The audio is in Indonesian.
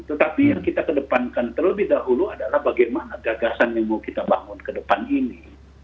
tetapi yang kita kedepankan terlebih dahulu adalah bagaimana gagasan yang mau kita bangun ke depan ini